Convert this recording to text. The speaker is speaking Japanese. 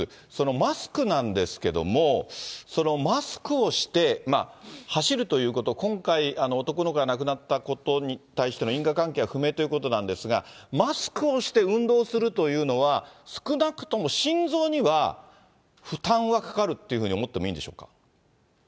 マスクなんですけども、マスクをして、走るということ、今回、男の子が亡くなったことに対しての因果関係は不明ということなんですが、マスクをして、運動するというのは、少なくとも心臓には負担はかかるっていうふうに思ってもいいんでしょうか。